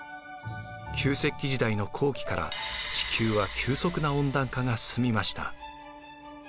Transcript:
旧石器時代の後期から地球は急速な温暖化が進みました。